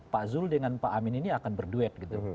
pak zul dengan pak amin ini akan berduet gitu